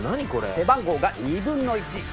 背番号が２分の１。